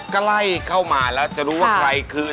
ใกล้เข้ามาแล้วจะรู้ว่าใครคือ